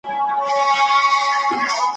خُم به سر پر سر تشيږي `